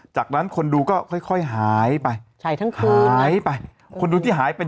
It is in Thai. จากนั้นคนดูก็ค่อยค่อยหายไปหายทั้งคืนหายไปคนดูที่หายเป็น